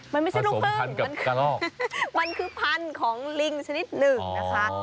มันไม่ใช่ลูกพึ่งมันคือมันคือพันธุ์ของลิงชนิดหนึ่งนะคะ